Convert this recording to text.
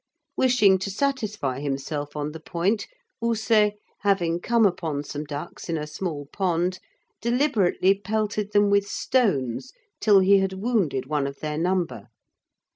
Wishing to satisfy himself on the point, Houssay, having come upon some ducks in a small pond, deliberately pelted them with stones till he had wounded one of their number.